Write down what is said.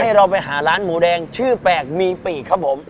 เราไปหาร้านหมูแดงชื่อแปลกมีปีกครับผม